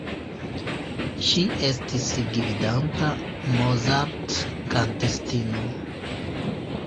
Ŝi estis gvidanta Mozart‑kantistino.